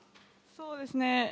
そうですね。